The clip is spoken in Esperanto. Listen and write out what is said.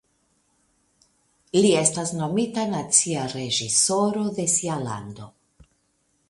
Li estas nomita nacia reĝisoro de sia lando.